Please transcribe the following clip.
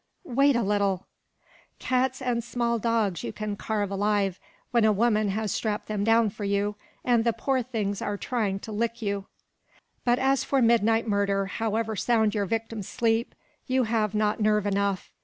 "Wait a little." "Cats and small dogs you can carve alive, when a woman has strapped them down for you, and the poor things are trying to lick you. But as for midnight murder, however sound your victims sleep, you have not nerve enough.